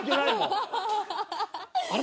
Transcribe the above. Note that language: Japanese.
あれ？